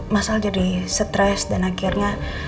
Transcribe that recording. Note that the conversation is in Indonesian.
mas al jadi stress dan akhirnya